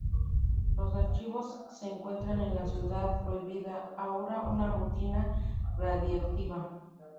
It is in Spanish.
Los archivos se encuentran en la Ciudad Prohibida, ahora una ruina radiactiva.